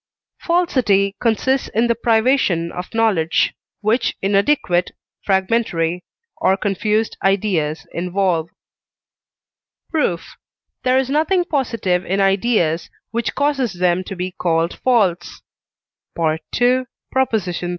Falsity consists in the privation of knowledge, which inadequate, fragmentary, or confused ideas involve. Proof. There is nothing positive in ideas, which causes them to be called false (II. xxxiii.)